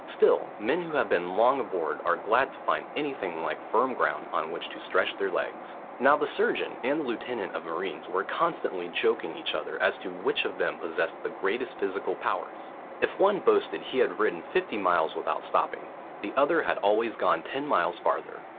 Still, men who have been long aboard are glad to find anything like firm ground on which to stretch their legs. Now the surgeon and the lieutenant of marines were constantly joking each other as to which of them possessed the greatest physical powers. If one boasted he had ridden fifty miles without stopping, the other had always gone ten miles farther.